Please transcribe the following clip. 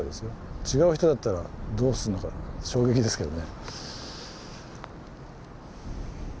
違う人だったらどうすんのか衝撃ですけどね。